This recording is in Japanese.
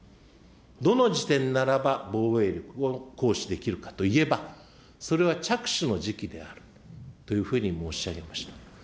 どの時点ならば防衛力を行使できるかといえば、それは着手の時期であるというふうに申し上げました。